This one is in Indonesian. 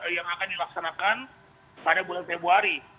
yang akan dilaksanakan pada bulan februari